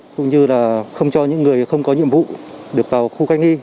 cũng như là không cho những người không có nhiệm vụ được vào khu cách ly